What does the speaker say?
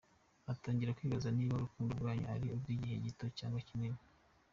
Atangira kwibaza niba urukundo rwanyu ari urw’igihe gito cyangwa kinini.